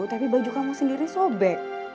tapi baju kamu sendiri sobek